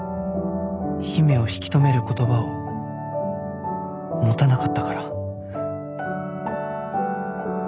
姫を引き止める言葉を持たなかったから。